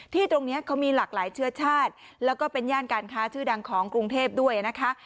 ตรงนี้เขามีหลากหลายเชื้อชาติแล้วก็เป็นย่านการค้าชื่อดังของกรุงเทพด้วยนะคะ